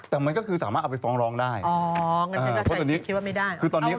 อันนี้มันไม่ใช่เป็นสัญญาการซื้อขายป่ะ